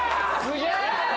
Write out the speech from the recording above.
すげえ！